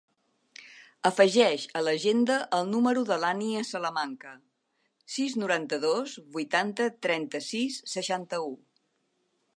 Afegeix a l'agenda el número de l'Ànnia Salamanca: sis, noranta-dos, vuitanta, trenta-sis, seixanta-u.